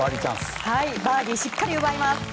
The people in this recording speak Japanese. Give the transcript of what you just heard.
バーディーしっかり奪います。